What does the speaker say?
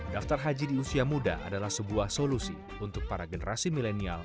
daftar haji di usia muda adalah sebuah solusi untuk para generasi milenial